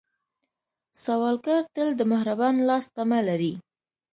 سوالګر تل د مهربان لاس تمه لري